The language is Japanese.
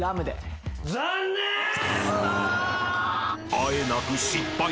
［あえなく失敗し］